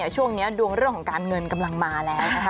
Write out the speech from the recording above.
ช่วงนี้ดวงเรื่องของการเงินกำลังมาแล้วนะคะ